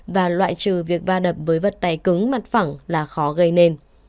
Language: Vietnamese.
và loại trừ việc va đập với vật tài cứng mặt phẳng là khó gây nên